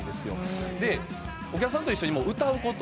でお客さんと一緒に歌うことを前提。